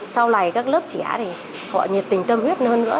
sau này các lớp trẻ thì họ nhiệt tình tâm huyết hơn nữa